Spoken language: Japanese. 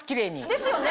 ですよね？